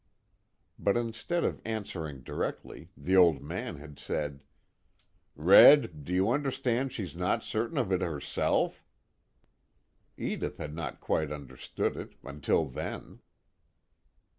But instead of answering directly, the Old Man had said: "Red, do you understand she's not certain of it herself?" Edith had not quite understood it, until then.